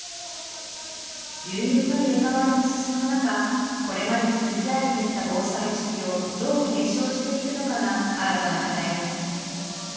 住民の入れ代わりも進む中、これまで築き上げてきた防災意識をどう継承していくのかが新たな課題です。